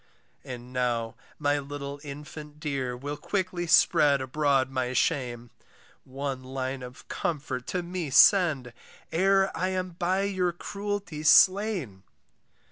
And now my little infant dear Will quickly spread abroad my shame, One line of comfort to me send, E'er I am by your cruelty slain.